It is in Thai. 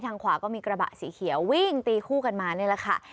ขวาก็มีกระบะสีเขียววิ่งตีคู่กันมานี่แหละค่ะ